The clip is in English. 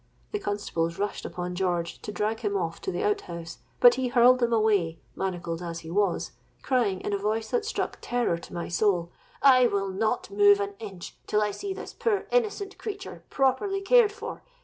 The constables rushed upon George to drag him off to the out house: but he hurled them away, manacled as he was, crying in a voice that struck terror to my soul, 'I will not move an inch till I see this poor innocent creature properly cared for.